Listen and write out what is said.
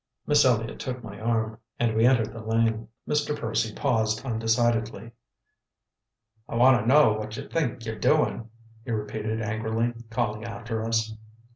Miss Elliott took my arm, and we entered the lane. Mr. Percy paused undecidedly. "I want t' know whut you think y're doin'?" he repeated angrily, calling after us.